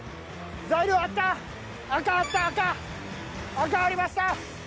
赤ありました。